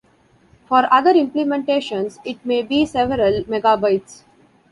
For other implementations, it may be several megabytes.